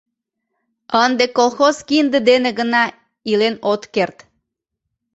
Ынде колхоз кинде дене гына илен от керт.